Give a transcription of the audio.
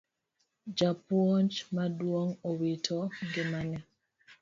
Japuonj maduong' owito ngimane